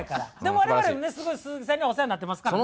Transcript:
我々もねすごい鈴木さんにはお世話になってますからね。